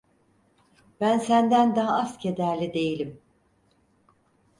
Ben senden daha az kederli değilim.